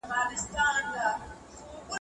ملا د خپل ذهن په رڼا کې وګرځېد.